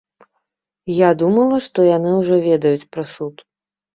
Я думала, што яны ўжо ведаюць прысуд.